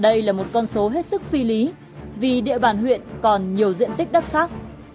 đây là một con số hết sức phi lý vì địa bàn huyện còn nhiều diện tích đất khác